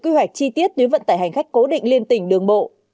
quy hoạch chi tiết tuyến vận tải hành khách cố định liên tỉnh đường bộ